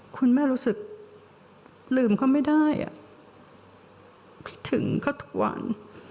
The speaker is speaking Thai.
คุณแม่รู้สึกลืมเขาไม่ได้คิดถึงเขาทุกวัน